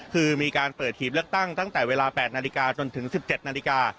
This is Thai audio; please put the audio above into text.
คือมีการเปิดหีบเลือกตั้งแต่เวลา๘นาฬิกาจนถึง๑๗นาฬิกา